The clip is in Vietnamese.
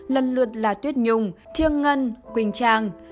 lần lượt là tuyết nhung thiêng ngân quỳnh trang